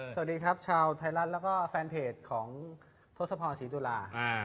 สวัสดีครับชาวไทยรัฐแล้วก็แฟนเพจของทศพรศรีตุลา